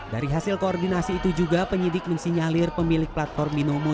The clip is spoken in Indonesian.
dari hasil koordinasi itu juga penyidik mensinyalir pemilik platform binomo